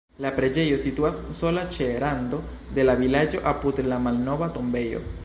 La preĝejo situas sola ĉe rando de la vilaĝo apud la malnova tombejo.